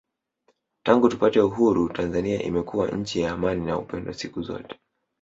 Tangu tupate Uhuru Tanzania imekuwa nchi ya amani na upendo siku zote